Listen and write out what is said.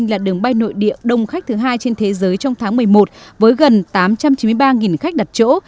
là đường bay nội địa đông khách thứ hai trên thế giới trong tháng một mươi một với gần tám trăm chín mươi ba khách đặt chỗ